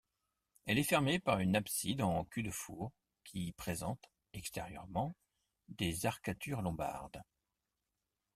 Elle est fermée par une abside en cul-de-four qui présente, extérieurement, des arcatures lombardes.